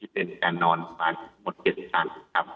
เป็นการนอนกับแต่ลงทีหมด๗๐๐ฟัน